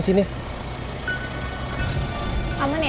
itu si nino ngapain keluar dari mobil